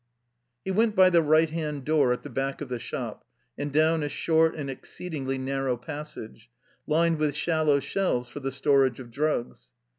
He went by the right hand door at the back of the shop, and down a short and exceedingly narrow passage, lined with shallow shelves for the storage of drugs.